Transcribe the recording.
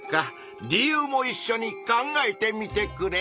理由もいっしょに考えてみてくれ。